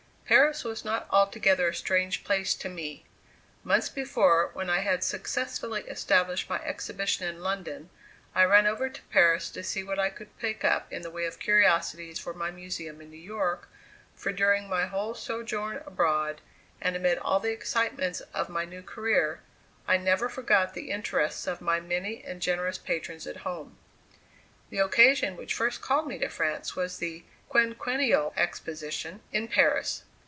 Paris was not altogether a strange place to me. Months before, when I had successfully established my exhibition in London, I ran over to Paris to see what I could pick up in the way of curiosities for my Museum in New York, for during my whole sojourn abroad, and amid all the excitements of my new career, I never forgot the interests of my many and generous patrons at home. The occasion which first called me to France was the "quinquennial exposition" in Paris.